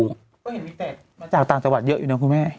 ก็เห็นแต่มาจากต่างจังหวัดเยอะอยู่นะคุณแม่